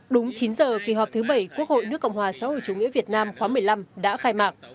đúng chín giờ kỳ họp thứ bảy quốc hội nước cộng hòa xã hội chủ nghĩa việt nam khóa một mươi năm đã khai mạc